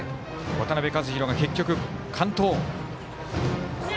渡辺和大が結局、完投。